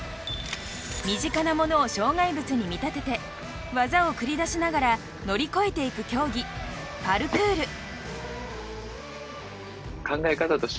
身近なものを障害物に見立てて技を繰り出しながら乗り越えていく競技パルクール。